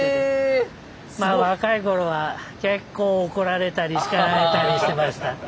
若い頃は結構怒られたり叱られたりしました。